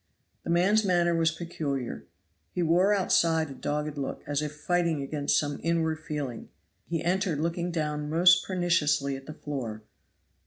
The man's manner was peculiar. He wore outside a dogged look, as if fighting against some inward feeling; he entered looking down most perniciously at the floor.